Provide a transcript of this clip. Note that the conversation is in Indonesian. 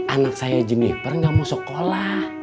anak saya jennifer gak mau sekolah